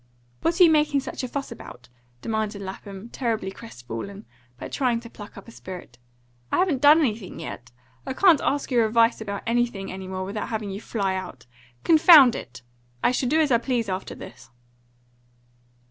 "What are you making such a fuss about?" demanded Lapham, terribly crestfallen, but trying to pluck up a spirit. "I haven't done anything yet. I can't ask your advice about anything any more without having you fly out. Confound it! I shall do as I please after this."